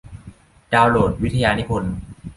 ดาวน์โหลดวิทยานิพนธ์